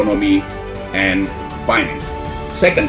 kami menginjilkan ekonomi dan keuangan yang inklusif sekarang